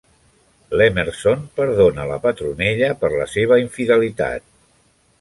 L'Emerson perdona la Petronella per la seva infidelitat.